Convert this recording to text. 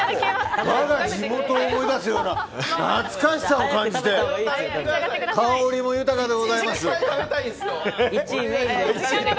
地元を思い出すような懐かしさを感じて香りも豊かでございます！